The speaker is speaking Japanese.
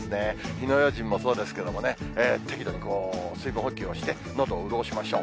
火の用心もそうですけれどもね、適度に水分補給をして、のどを潤しましょう。